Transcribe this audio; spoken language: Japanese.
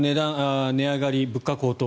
この値上がり、物価高騰